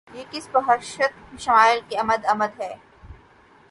یہ کس بہشت شمائل کی آمد آمد ہے!